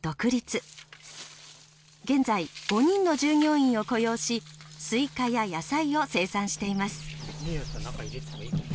現在５人の従業員を雇用しスイカや野菜を生産しています。